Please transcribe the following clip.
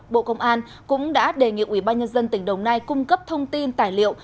bộ công an cũng đã đề nghị ubnd tỉnh đồng nai cung cấp thông tin tài liệu